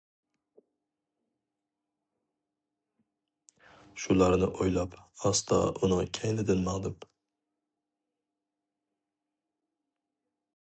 شۇلارنى ئويلاپ ئاستا ئۇنىڭ كەينىدىن ماڭدىم.